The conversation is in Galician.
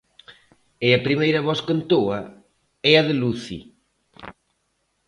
E a primeira voz que entoa é a de Luci.